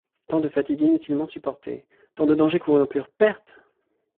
Tant de fatigues inutilement supportées, tant de dangers courus en pure perte!